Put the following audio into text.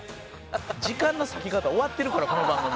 時間の割き方終わってるからこの番組。